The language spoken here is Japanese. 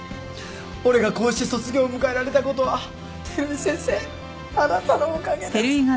俺がこうして卒業を迎えられたことは照井先生あなたのおかげです！